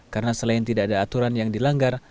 karena selain tidak ada aturan yang dilanggar